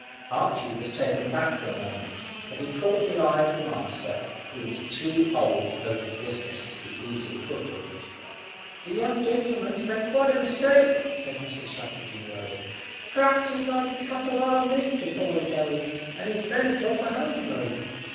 Archy was taken aback for the moment, but he caught the eye of the master, who was too old over the business to be easily hoodwinked. "The young gentleman's made quite a mistake," said Mrs Shackle demurely. "P'r'aps he'd like a mug of our mead before he goes, and his men a drop of home brewed."